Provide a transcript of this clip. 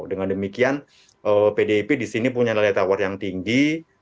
dengan demikian pdip di sini punya nilai tawar yang tinggi